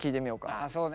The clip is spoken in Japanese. ああそうね。